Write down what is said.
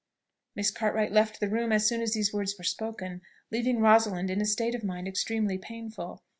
Miss Cartwright left the room as soon as these words were spoken, leaving Rosalind in a state of mind extremely painful.